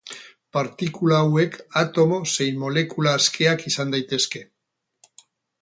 Partikula hauek atomo zein molekula askeak izan daitezke.